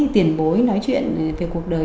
tiền bối nói chuyện về cuộc đời